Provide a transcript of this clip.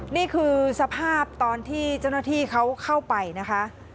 นี่คือสภาพตอนที่เจ้าหน้าที่เขาเข้าไปนะคะ